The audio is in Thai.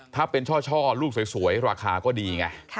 ถ้าเป็นช่อลูกสวยราคาก็ดีไง